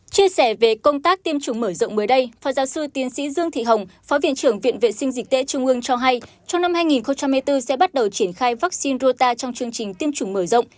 chia sẻ về công tác tiêm chủng mở rộng mới đây phó giáo sư tiến sĩ dương thị hồng phó viện trưởng viện vệ sinh dịch tễ trung ương cho hay trong năm hai nghìn hai mươi bốn sẽ bắt đầu triển khai vaccine rota trong chương trình tiêm chủng mở rộng